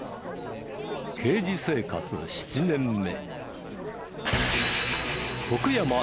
刑事生活７年目。